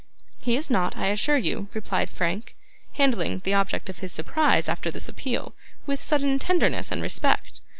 'He is not, I assure you,' replied Frank, handling the object of his surprise, after this appeal, with sudden tenderness and respect.